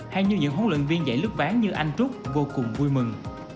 hay như những huấn luyện viên dạy lớp ván như anh trúc vô cùng vui mừng